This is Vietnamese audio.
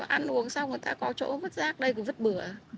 ăn uống xong người ta có chỗ vứt rác đây cứ vứt bửa